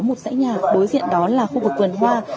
một sãy nhà đối diện đó là khu vực quần hoa